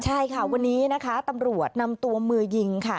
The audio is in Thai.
ใช่ค่ะวันนี้นะคะตำรวจนำตัวมือยิงค่ะ